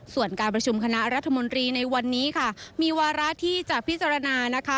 ส่วนการประชุมคณะรัฐมนตรีในวันนี้ค่ะมีวาระที่จะพิจารณานะคะ